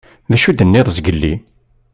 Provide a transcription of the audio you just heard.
D acu i d-tenniḍ zgelli?